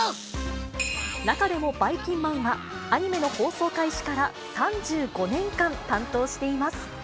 中でもばいきんまんは、アニメの放送開始から３５年間担当しています。